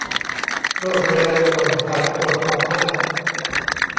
รวดเร็ว โปร่งใส ตรวจสอบได้